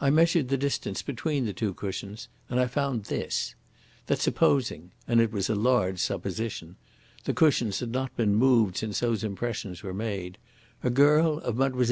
I measured the distance between the two cushions, and I found this: that supposing and it was a large supposition the cushions had not been moved since those impressions were made, a girl of Mlle.